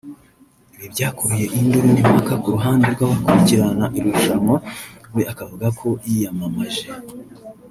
Ibi byakuruye induru n’impaka ku ruhande rw’abakurikirana irushanwa we akavuga ko yiyamamaje